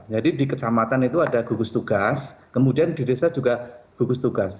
jadi di kecamatan itu ada gugus tugas kemudian di desa juga gugus tugas